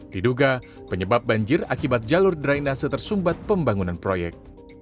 diduga penyebab banjir akibat jalur drainase tersumbat pembangunan proyek